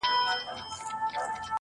خرخو ځکه پر زمري باندي ډېر ګران وو٫